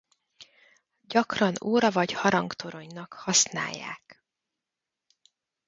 Gyakran óra- vagy harangtoronynak használják.